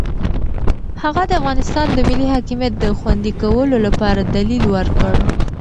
هغه د افغانستان د ملي حاکمیت د خوندي کولو لپاره دلیل ورکړ.